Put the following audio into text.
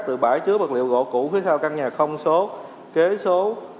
từ bãi chứa vật liệu gỗ cũ phía sau căn nhà số kế số hai trăm linh sáu một hai mươi